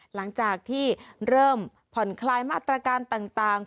หลังจากที่เริ่มผ่อนคลายมาตรการต่าง